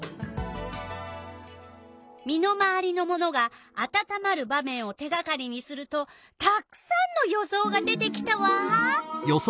身の回りのものがあたたまる場面を手がかりにするとたくさんの予想が出てきたわ！